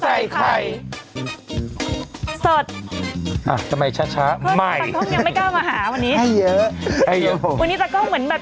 ไม่กล้ามาหาวันนี้ให้เยอะให้เยอะวันนี้แต่ก็เหมือนแบบ